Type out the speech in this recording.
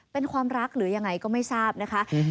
เป็นความรักหรือยังไงก็ไม่ทราบนะคะ